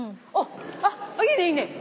あっいいねいいね！